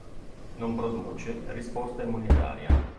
Non produce risposta immunitaria.